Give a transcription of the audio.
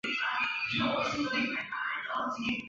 鸣人在第三场正式考试时真的遇上了宁次。